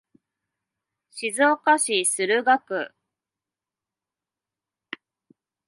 静岡市駿河区